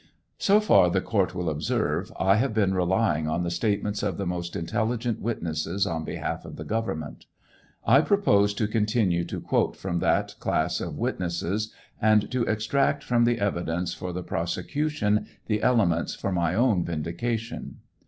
So far, the court will observe, 1 have been relying on the statements of the most intelligent witnesses on behalf of the government. I propose to continue to quote from that clas of witnesses and to extract from the evidence for the pros ecution the elements for my own vindication.